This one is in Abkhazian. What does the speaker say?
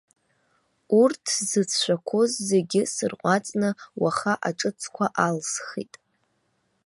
Урҭ сзыцәшәақәоз зегьы сырҟәаҵны уаха аҿыцқәа алсхит.